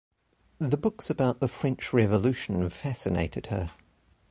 The books about the French revolution fascinated her.